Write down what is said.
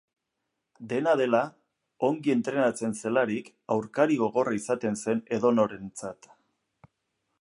Dena dela, ongi entrenatzen zelarik, aurkari gogorra izaten zen edonorentzat.